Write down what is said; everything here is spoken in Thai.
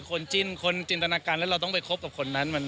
คนจิ้นคนจินตนาการแล้วเราต้องไปคบกับคนนั้น